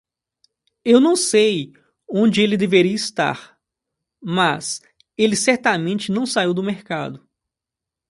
Eu não sei onde ele deveria estar, mas ele certamente não saiu do mercado.